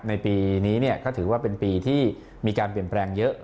ในปีนี้ก็ถือว่าเป็นปีที่มีการเปลี่ยนแปลงเยอะ